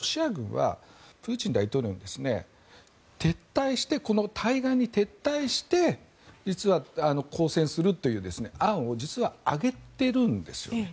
なので実はロシア軍はプーチン大統領にこの対岸に撤退して抗戦するという案を実は上げているんですよね。